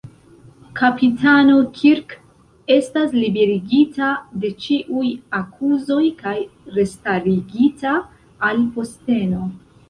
Kapitano Kirk estas liberigita de ĉiuj akuzoj kaj restarigita al posteno.